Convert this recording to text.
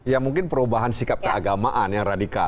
ya mungkin perubahan sikap keagamaan yang radikal